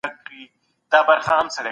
ځینې فکر کوي دا یوازې د شتمنو لپاره دی.